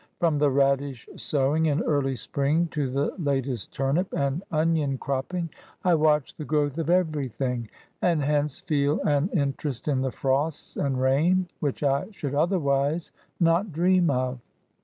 From the radish sowing in early spring, to the latest turnip and onion cropping, I watch the growth of everything, and hence feel an interest in the frosts and rain, which I should otherwise not dream of.